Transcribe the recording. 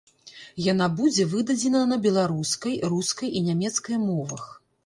Яна будзе выдадзена на беларускай, рускай і нямецкай мовах.